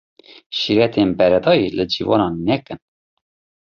Şîretên beredayî li ciwanan nekin.